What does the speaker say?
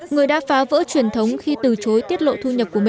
người đã phá vỡ truyền thống khi từ chối tiết lộ thu nhập của mình